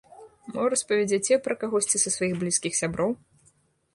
Мо распаведзяце пра кагосьці са сваіх блізкіх сяброў?